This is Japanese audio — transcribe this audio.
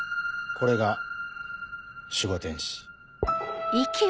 これが守護天使。